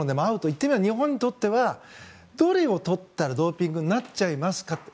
言ってみれば日本にとってはどれを取ったらドーピングになっちゃいますかと。